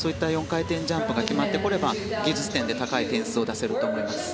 ４回転ジャンプが決まってくれば芸術点で高い点数を出せると思います。